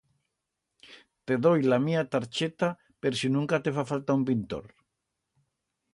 Te doi la mía tarcheta per si nunca te fa falta un pintor.